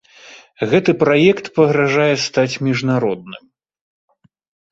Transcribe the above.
Гэты праект пагражае стаць міжнародным.